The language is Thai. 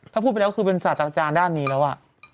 ถ้าพูดไปแล้วคือเป็นศาสตราจารย์ด้านนี้แล้ว